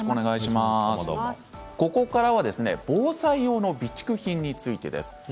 ここからは防災用の備蓄品についてです。